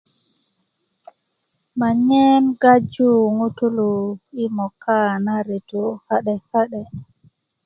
ma 'yen gaju ŋutulú i mogak na retó kadekade